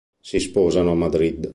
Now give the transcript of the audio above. Si sposano a Madrid.